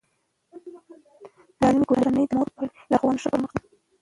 د سالمې کورنۍ د مور په لارښوونه ښه پرمخ ځي.